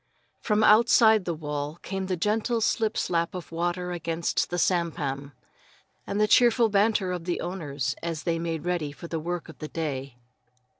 From outside the wall came the gentle slip slap of the water against the sampan, and the cheerful banter of the owners as they made ready for the work of the day.